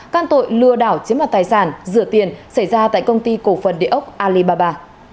can tội lừa đảo chiếm mặt tài sản rửa tiền xảy ra tại công ty cổ phần địa ốc alibaba